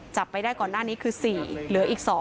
จับไปได้ก่อนหน้านี้คือ๔เหลืออีก๒